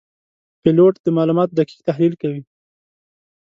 پیلوټ د معلوماتو دقیق تحلیل کوي.